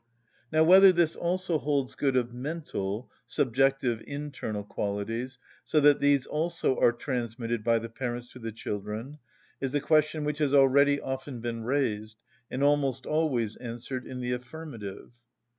Now whether this also holds good of mental (subjective, internal) qualities, so that these also are transmitted by the parents to the children, is a question which has already often been raised, and almost always answered in the affirmative.